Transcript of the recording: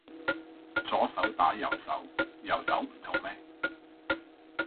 左手打右手，右手唔痛咩